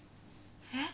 え！？